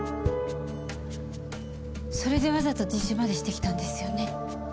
それでわざと自首までしてきたんですよね？